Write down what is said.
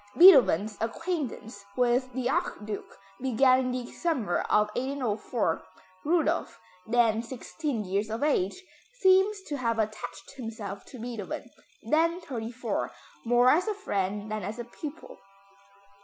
Beethoven's acquaintance with the Archduke began in the winter of 1804. Rudolph, then sixteen years of age, seems to have attached himself to Beethoven, then thirty four, more as a friend than as a pupil.